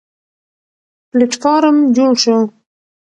پلېټفارم جوړ شو.